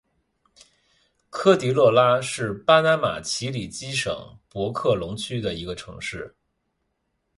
科迪勒拉是巴拿马奇里基省博克龙区的一个城市。